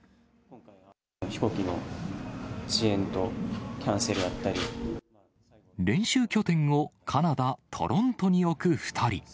飛行機の遅延とキャンセルが練習拠点をカナダ・トロントに置く２人。